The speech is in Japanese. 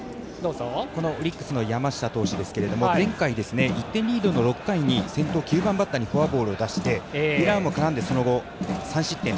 オリックスの山下投手ですが前回、１点リードの６回に先頭の９番バッターにフォアボールを出してエラーも絡んで、その後３失点。